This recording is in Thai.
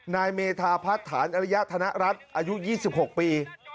นายเมธาพัฒนฐานอริยธนรัฐอายุ๒๖ปี